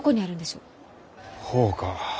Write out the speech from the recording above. ほうか。